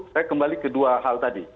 saya kembali ke dua hal tadi